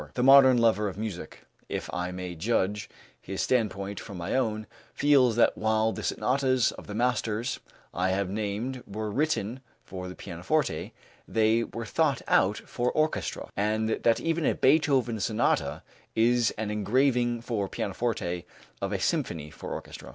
The modern lover of music, if I may judge his standpoint from my own, feels that while the sonatas of the masters I have named were written for the pianoforte, they were thought out for orchestra, and that even a Beethoven sonata is an engraving for pianoforte of a symphony for orchestra.